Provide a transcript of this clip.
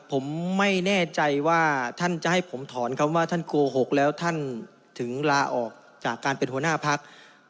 ผมไม่แน่ใจว่าท่านจะให้ผมถอนคำว่าท่านโกหกแล้วท่านถึงลาออกจากการเป็นหัวหน้าพัก